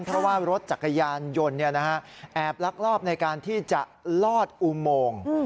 เพราะว่ารถจักรยานยนต์แอบลักลอบในการที่จะลอดอุโมง